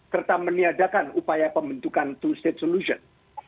serta meniadakan upaya pembentukan two state solution